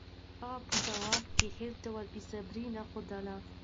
هغه په ځواب کې هېڅ ډول بېصبري نه ښودله.